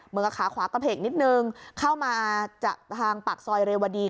กับขาขวากระเพกนิดนึงเข้ามาจากทางปากซอยเรวดี